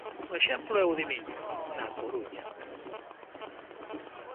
Un exemplo é o de Miño, na Coruña.